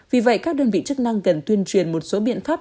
vì vậy các đơn vị chức năng cần tuyên truyền một số biện pháp